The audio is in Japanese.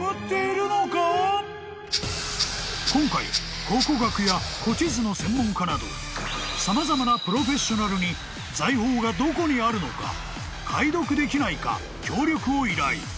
［今回考古学や古地図の専門家など様々なプロフェッショナルに財宝がどこにあるのか解読できないか協力を依頼］